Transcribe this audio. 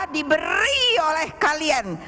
diberi oleh kalian